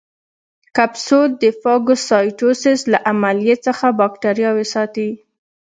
کپسول د فاګوسایټوسس له عملیې څخه باکتریاوې ساتي.